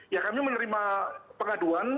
ya kami menerima pengaduan